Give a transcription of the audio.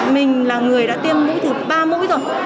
mình là người đã tiêm mũi thứ ba mũi rồi